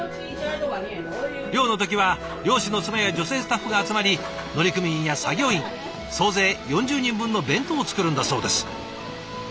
漁の時は漁師の妻や女性スタッフが集まり乗組員や作業員総勢４０人分の弁当を作るんだそうです。